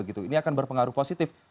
ini akan berpengaruh positif